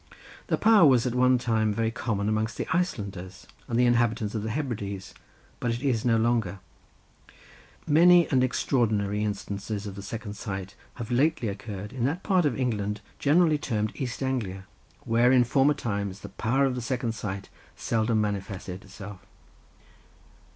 The power was at one time very common amongst the Icelanders and the inhabitants of the Hebrides, but it is so no longer. Many and extraordinary instances of the second sight have lately occurred in that part of England generally termed East Anglia, where in former times the power of the second sight seldom manifested itself.